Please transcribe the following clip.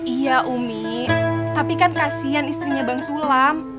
iya umi tapi kan kasian istrinya bang sulam